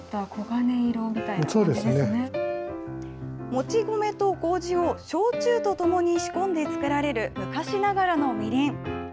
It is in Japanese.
もち米とこうじを焼酎と共に仕込んで造られる昔ながらのみりん。